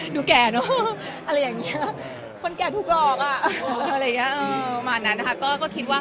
ดูแก่คนแก่ทุกก็ออก